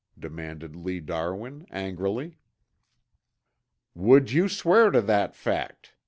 demanded Lee Darwin, angrily. "Would you swear to that fact?"